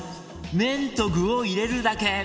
麺と具を入れるだけ！